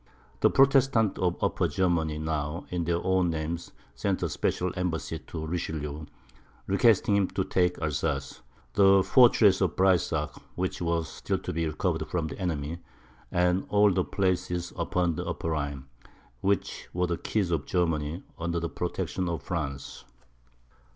The Protestants of Upper Germany now, in their own names, sent a special embassy to Richelieu, requesting him to take Alsace, the fortress of Breyssach, which was still to be recovered from the enemy, and all the places upon the Upper Rhine, which were the keys of Germany, under the protection of France.